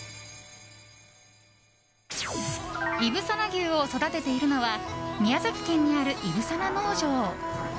いぶさな牛を育てているのは宮崎県にある、いぶさな農場。